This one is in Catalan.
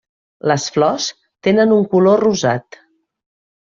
Les flors tenen un color rosat.